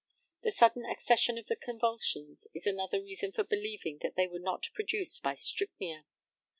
The sudden accession of the convulsions is another reason for believing that they were not produced by strychnia.